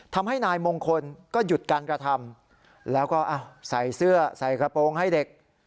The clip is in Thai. ทำให้นายมงคลก็หยุดการกระทำแล้วก็ใส่เสื้อใส่กระโปรงให้เด็ก